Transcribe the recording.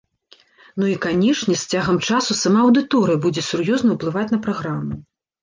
Ну і канешне, з цягам часу сама аўдыторыя будзе сур'ёзна ўплываць на праграму.